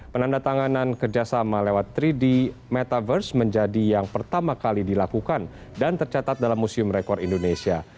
penandatanganan kerjasama lewat tiga d metaverse menjadi yang pertama kali dilakukan dan tercatat dalam museum rekor indonesia